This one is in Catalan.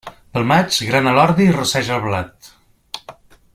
Pel maig, grana l'ordi i rosseja el blat.